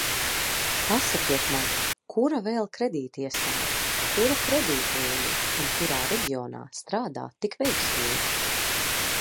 Pasakiet man, kura vēl kredītiestāde, kura kredītlīnija un kurā reģionā strādā tik veiksmīgi?